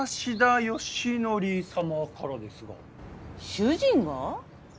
主人が？